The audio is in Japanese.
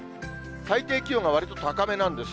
最低気温がわりと高めなんです。